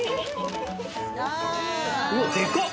うわっでかっ！